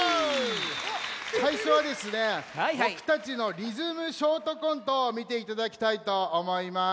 さいしょはですねぼくたちのリズムショートコントをみていただきたいとおもいます。